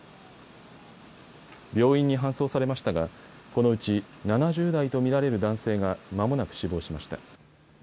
病院に搬送されましたがこのうち７０代と見られる男性がまもなく死亡しました。